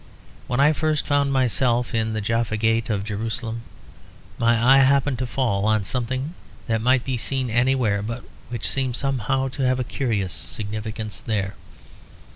When I first found myself in the Jaffa Gate of Jerusalem, my eye happened to fall on something that might be seen anywhere, but which seemed somehow to have a curious significance there.